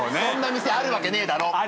そんな店あるわけねえだろ。